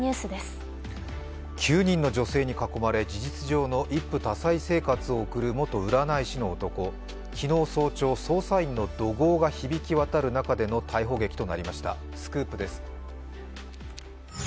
９人の女性に囲まれ、事実上の一夫多妻生活を送る元占い師の男、昨日早朝、捜査員の怒号が響き渡る中での逮捕劇となりました、スクープです